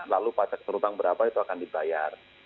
lalu pacar serutang berapa itu akan dibayar